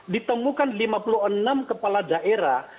ditemukan lima puluh enam kepala daerah